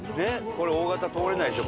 これ大型通れないでしょ？